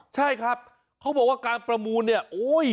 ใช่ครับเขาบอกว่าการประมูลเนี่ยโอ้ย